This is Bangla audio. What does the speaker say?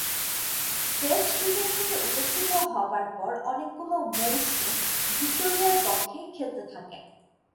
টেস্ট ক্রিকেট থেকে উপেক্ষিত হবার পর অনেকগুলো মৌসুম ভিক্টোরিয়ার পক্ষে খেলতে থাকেন।